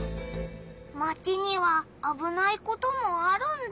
マチにはあぶないこともあるんだ。